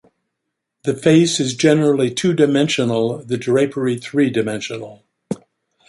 The face is generally two-dimensional, the drapery three-dimensional.